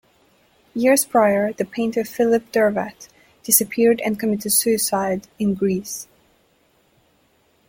Years prior, the painter Philip Derwatt disappeared and committed suicide in Greece.